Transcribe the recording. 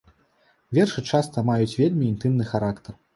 Вершы часта маюць вельмі інтымны характар.